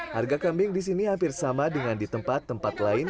harga kambing di sini hampir sama dengan di tempat tempat lain